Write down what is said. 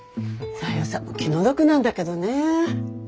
小夜さんも気の毒なんだけどね。